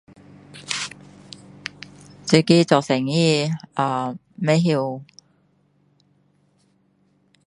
这个做生意啊不知道